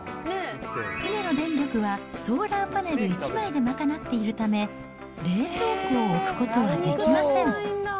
船の電力はソーラーパネル１枚で賄っているため、冷蔵庫を置くことはできません。